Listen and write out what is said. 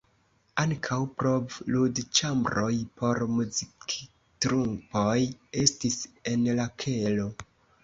Ankaŭ provludĉambroj por muziktrupoj estis en la kelo.